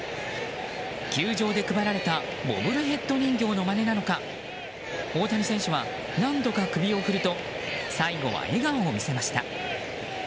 球場で配られたボブルヘッド人形のまねなのか大谷選手は何度か首を振ると最後は笑顔を見せました。